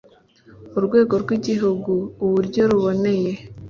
urwego rw igihugu uburyo buboneye